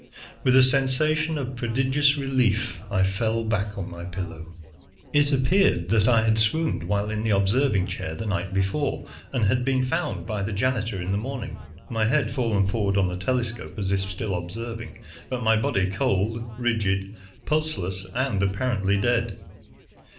With a sensation of prodigious relief, I fell back on my pillow. It appeared that I had swooned while in the observing chair, the night before, and had been found by the janitor in the morning, my head fallen forward on the telescope, as if still observing, but my body cold, rigid, pulseless, and apparently dead.